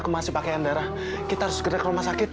masih pakaian darah kita harus segera ke rumah sakit